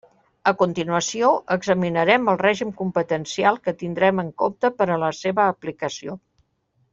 A continuació, examinarem el règim competencial que tindrem en compte per a la seva aplicació.